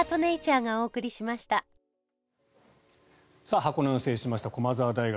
箱根を制しました駒澤大学。